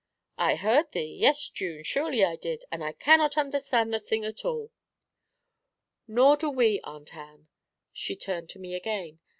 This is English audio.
'I heard thee: yes, June, surely I did, and I cannot understand the thing at all.' 'Nor do we, Aunt Ann.' She turned to me again.